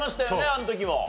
あの時も。